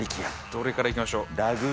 どれからいきましょう。